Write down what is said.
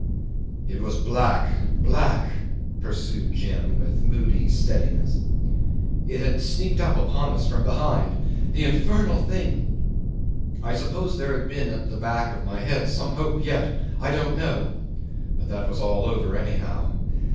'"It was black, black," pursued Jim with moody steadiness. "It had sneaked upon us from behind. The infernal thing! I suppose there had been at the back of my head some hope yet. I don't know. But that was all over anyhow.